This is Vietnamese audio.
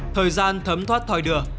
thời gian thấm thoát thòi đừa